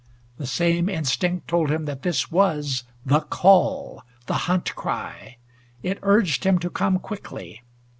The same instinct told him that this was the call the hunt cry. It urged him to come quickly.